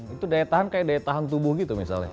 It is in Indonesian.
itu daya tahan kayak daya tahan tubuh gitu misalnya